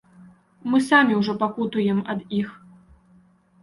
Мы самі ўжо пакутуем ад іх.